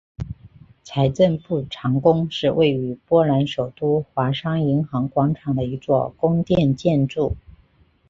财政部长宫是位于波兰首都华沙银行广场的一座宫殿建筑。